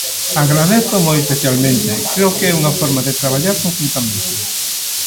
Agradézoo moi especialmente, creo que é unha forma de traballar conxuntamente.